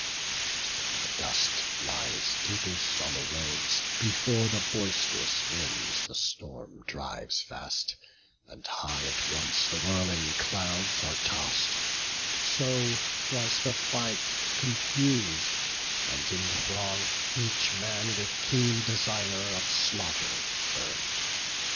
As, when the dust lies deepest on the roads, Before the boist'rous winds the storm drives fast, And high at once the whirling clouds are toss'd; So was the fight confus'd; and in the throng Each man with keen desire of slaughter burn'd.